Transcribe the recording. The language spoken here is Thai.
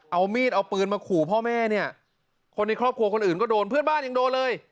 เอามีดเอาปืนมาขู่พ่อแม่เนี่ยคนในครอบครัวคนอื่นก็โดนเพื่อนบ้านยังโดนเลย